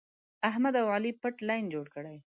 احمد او علي پټ لین جوړ کړی.